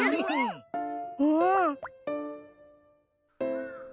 うん。